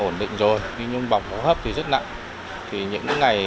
huyết động tạm ổn định rồi nhưng bỏng hấp thì rất nặng